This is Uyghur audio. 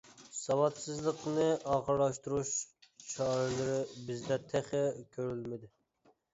ساۋاتسىزلىقنى ئاخىرلاشتۇرۇش چارىلىرى بىزدە تېخى كۆرۈلمىدى.